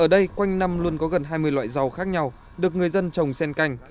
ở đây quanh năm luôn có gần hai mươi loại rau khác nhau được người dân trồng sen canh